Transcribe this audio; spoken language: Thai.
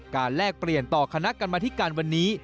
แลกเปลี่ยนต่อคณะกรรมธิการวันนี้